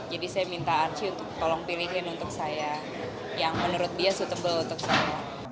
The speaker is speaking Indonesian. jadi saya minta archie untuk tolong pilihin untuk saya yang menurut dia suitable untuk saya